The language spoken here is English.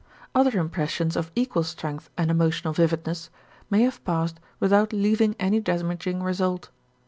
Other impressions of equal strength and emotional vividness may have passed without leaving any damaging result.